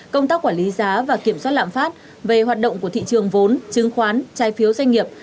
công tác quản lý giá và kiểm soát lạm phát về hoạt động của thị trường vốn chứng khoán trái phiếu doanh nghiệp